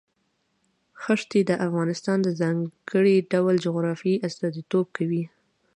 ښتې د افغانستان د ځانګړي ډول جغرافیه استازیتوب کوي.